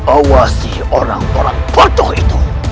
awasi orang orang kotor itu